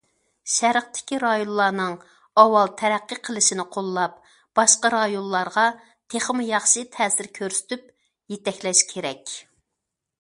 شەرقتىكى رايونلارنىڭ ئاۋۋال تەرەققىي قىلىشىنى قوللاپ، باشقا رايونلارغا تېخىمۇ ياخشى تەسىر كۆرسىتىپ يېتەكلەش كېرەك.